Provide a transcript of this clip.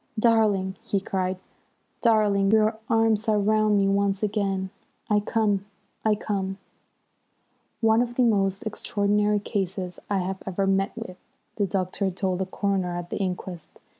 "Darling!" he cried. "Darling, your arms are round me once again! I come! I come!" "One of the most extraordinary cases I have ever met with," the doctor told the coroner at the inquest.